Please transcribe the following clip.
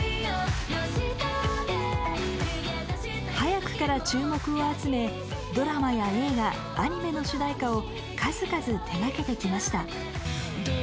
早くから注目を集めドラマや映画アニメの主題歌を数々手がけてきました。